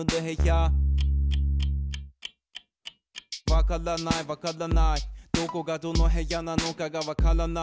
「わからないわからないどこがどの部屋なのかがわからない」